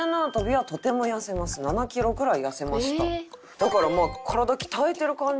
だからまあ体鍛えてる感じ？